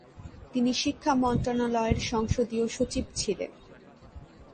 তিনি শিক্ষা মন্ত্রণালয়ের সংসদীয় সচিব ছিলেন।